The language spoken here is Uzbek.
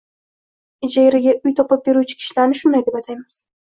Ijaraga uy topib beruvchi kishilarni shunday deb ataymiz.